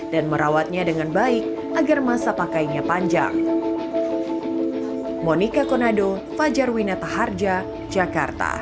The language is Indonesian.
dan merawatnya dengan baik agar masa pakaiannya panjang